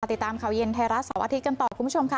ติดตามข่าวเย็นไทยรัฐเสาร์อาทิตย์กันต่อคุณผู้ชมค่ะ